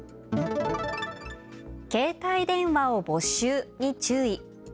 携帯電話を没収に注意。